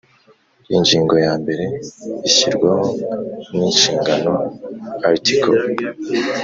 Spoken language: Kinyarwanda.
Ingingo yambere Ishyirwaho n inshingano Article